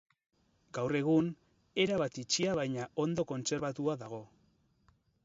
Gaur egun, erabat itxia baina ondo kontserbatua dago.